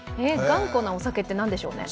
頑固な、お酒って何でしょうね。